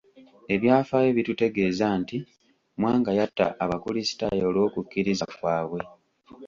Ebyafaayo bitutegeeza nti Mwanga yatta Abakristaayo olw'okukkiriza kwabwe.